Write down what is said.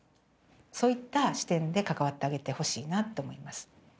そういった視点で関わってあげてほしいなと思います。